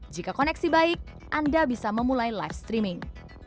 jika koneksi baik anda bisa memulai live streaming